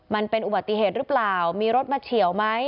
มันเป็นอุบัติเหตุหรือเปล่ามีรถมาเฉียวไหม